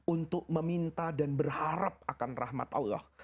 untuk meminta dan berharap akan rahmat allah